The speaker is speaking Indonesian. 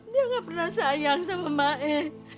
dia gak pernah sayang sama mak e